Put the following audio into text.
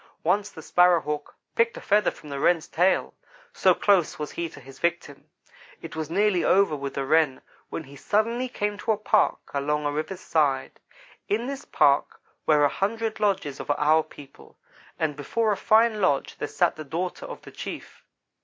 Once the Sparrow hawk picked a feather from the Wren's tail so close was he to his victim. It was nearly over with the Wren, when he suddenly came to a park along a river's side. In this park were a hundred lodges of our people, and before a fine lodge there sat the daughter of the chief.